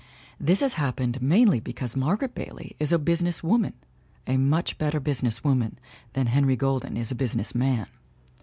This has happened mainly because Margaret Bailey is a business woman a much better business woman than Henry Golden is a business man.